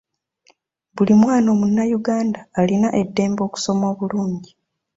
Buli mwana omunnayuganda alina eddembe okusoma obulungi.